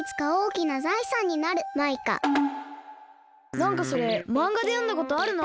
なんかそれマンガでよんだことあるな。